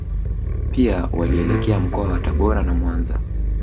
Pia walielekea mkoa wa Tabora na Mwanza